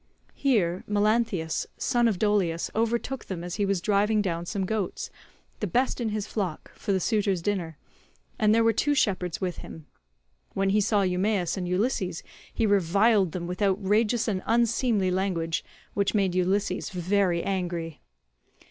Here Melanthius son of Dolius overtook them as he was driving down some goats, the best in his flock, for the suitors' dinner, and there were two shepherds with him. When he saw Eumaeus and Ulysses he reviled them with outrageous and unseemly language, which made Ulysses very angry.